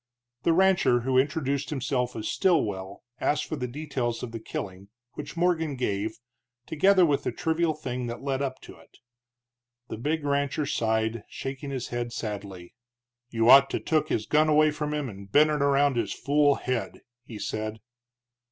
The rancher, who introduced himself as Stilwell, asked for the details of the killing, which Morgan gave, together with the trivial thing that led up to it. The big rancher sighed, shaking his head sadly. "You ought to took his gun away from him and bent it around his fool head," he said.